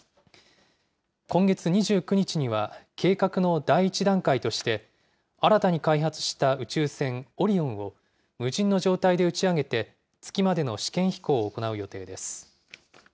今月２９日には計画の第１段階として、新たに開発した宇宙船オリオンを、無人の状態で打ち上げて、月までの試験飛行を行う予定です。